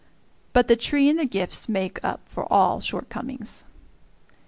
But the tree and the gifts make up for all shortcomings.